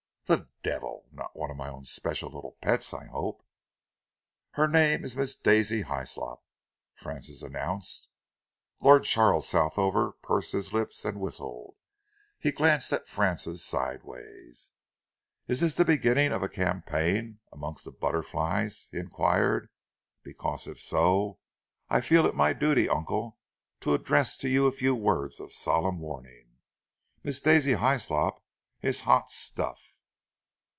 "The devil! Not one of my own special little pets, I hope?" "Her name is Miss Daisy Hyslop," Francis announced. Lord Charles Southover pursed his lips and whistled. He glanced at Francis sideways. "Is this the beginning of a campaign amongst the butterflies," he enquired, "because, if so, I feel it my duty, uncle, to address to you a few words of solemn warning. Miss Daisy Hyslop is hot stuff."